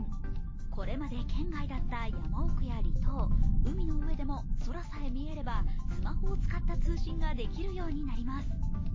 これまで圏外だった山奥や離島、海の上でも空さえ見えればスマホを使った通信ができるようになります。